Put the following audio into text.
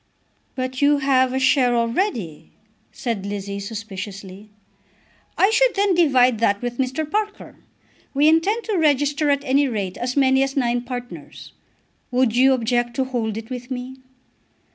"But you have a share already," said Lizzie suspiciously. "I should then divide that with Mr. Parker. We intend to register at any rate as many as nine partners. Would you object to hold it with me?"